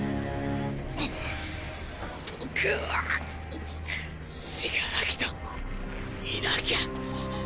僕は死柄木といなきゃ。